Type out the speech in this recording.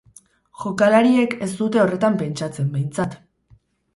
Jokalariek ez dute horretan pentsatzen, behintzat.